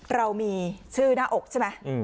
เรามีชื่อหน้าอกใช่ไหม